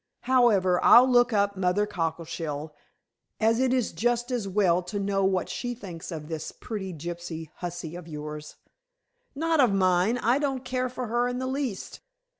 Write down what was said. However, I'll look up Mother Cockleshell, as it is just as well to know what she thinks of this pretty gypsy hussy of yours." "Not of mine. I don't care for her in the least."